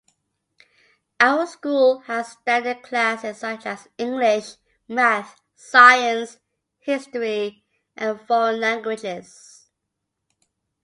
Our school has standard classes such as English, math, science, history, and foreign languages.